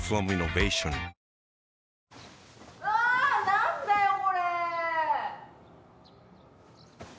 何だよこれ！